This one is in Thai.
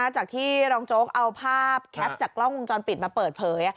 จากที่รองโจ๊กเอาภาพแคปจากกล้องวงจรปิดมาเปิดเผย